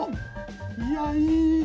いやいいね。